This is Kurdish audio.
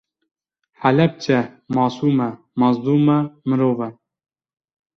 Helepçe masum e, mezlum e, mirov e